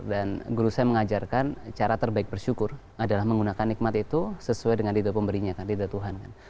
dan guru saya mengajarkan cara terbaik bersyukur adalah menggunakan nikmat itu sesuai dengan dida pemberinya kan dida tuhan kan